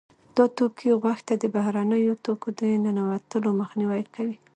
دا توکي غوږ ته د بهرنیو توکو د ننوتلو مخنیوی کوي.